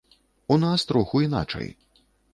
У нас троху іначай.